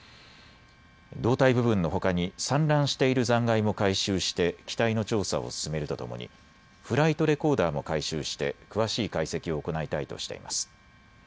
胴体部分のほかに散乱している残骸も回収して機体の調査を進めるとともにフライトレコーダーも回収して詳しい解析を行いたいとしています。